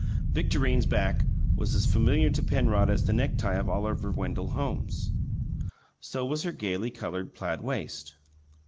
Victorine's back was as familiar to Penrod as the necktie of Oliver Wendell Holmes. So was her gayly coloured plaid waist.